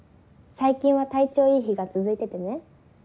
最近は体調いい日が続いててね。